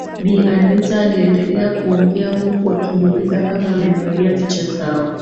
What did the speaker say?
Bi Anita aliendelea kuongea huku akimuuliza kama ameangalia picha zao